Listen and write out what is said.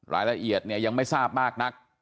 รายละเอียดเนี่ยยังไม่ทราบมากนัก